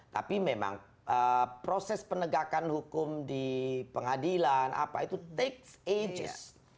tapi memang proses penegakan hukum di pengadilan apa itu takes ages